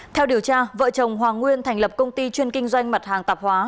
theo điều tra vợ chồng hoàng nguyên thành lập công ty chuyên kinh doanh mặt hàng tạp hóa